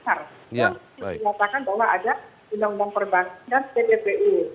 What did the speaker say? yang dikatakan bahwa ada bintang bumper bank dan dbtu